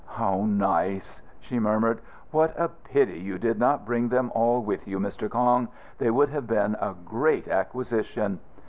"How nice!" she murmured. "What a pity you did not bring them all with you, Mr. Kong. They would have been a great acquisition."